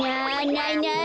ないない。